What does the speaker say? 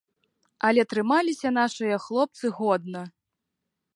Але трымаліся нашыя хлопцы годна.